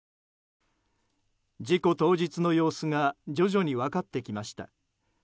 事故当日の様子が徐々に分かってきました。